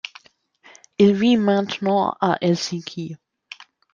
Il vit maintenant à Helsinki.